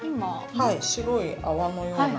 はい白い泡のような。